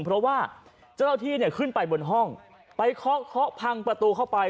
เพราะว่าเจ้าหน้าที่เนี่ยขึ้นไปบนห้องไปเคาะเคาะพังประตูเข้าไป